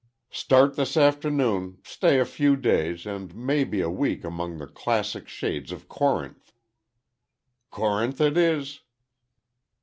"Start this afternoon, stay a few days, maybe a week among the classic shades of Corinth." "Corinth it is."